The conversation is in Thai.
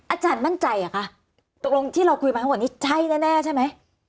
อาจารย์มั่นใจเหรอคะตกลงที่เราคุยมาทั้งหมดนี้ใช่แน่ใช่ไหม